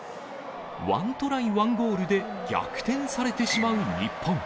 ワントライ・ワンゴールで逆転されてしまう日本。